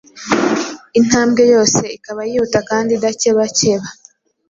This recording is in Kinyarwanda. intambwe yose ikaba yihuta kandi idakebakeba;